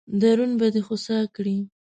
درون به دې خوسا کړي.